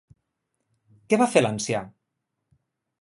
Què va fer l'ancià?